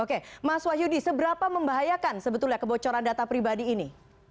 oke mas wahyudi seberapa membahayakan sebetulnya kebocoran data pribadi ini